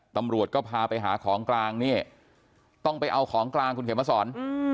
ตำรวจก็พาไปหาของกลางนี่ต้องไปเอาของกลางคุณเขียนมาสอน